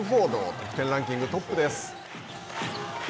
得点ランキングトップです。